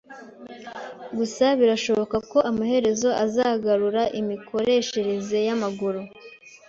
Gusa birashoboka ko amaherezo azagarura imikoreshereze yamaguru.